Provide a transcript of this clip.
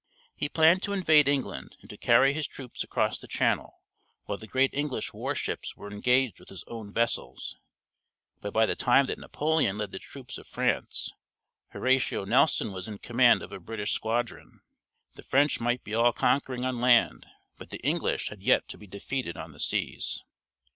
He planned to invade England, and to carry his troops across the Channel while the great English war ships were engaged with his own vessels; but by the time that Napoleon led the troops of France, Horatio Nelson was in command of a British squadron. The French might be all conquering on land, but the English had yet to be defeated on the seas.